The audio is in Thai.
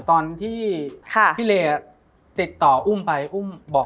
มันทำให้ชีวิตผู้มันไปไม่รอด